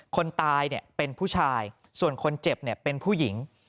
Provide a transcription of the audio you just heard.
คนตายเนี่ยเป็นผู้ชายส่วนคนเจ็บเนี่ยเป็นผู้หญิง